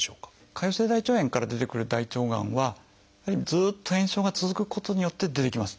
潰瘍性大腸炎から出てくる大腸がんはずっと炎症が続くことによって出てきます。